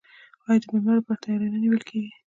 آیا د میلمه لپاره تیاری نه نیول کیږي؟